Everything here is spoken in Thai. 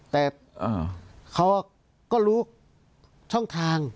แต่เขาก็รู้ช่องทาง